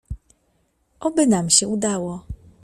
"Oby nam się udało."